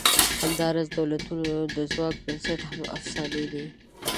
همدا راز د دولتونو د ځواک بنسټ هم افسانې دي.